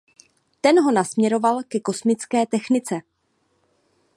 Ten ho nasměroval ke kosmické technice.